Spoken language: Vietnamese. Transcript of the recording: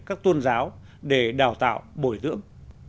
các tôn giáo để đào tạo bồi dưỡng